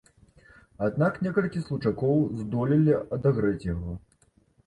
Аднак некалькі случакоў здолелі адагрэць яго.